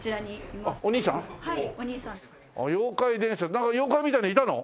なんか妖怪みたいなのいたの？